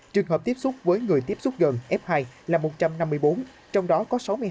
trường hợp tiếp xúc với người tiếp xúc gần f hai là một trăm năm mươi bốn trong đó có sáu mươi hai người ở quận tân bình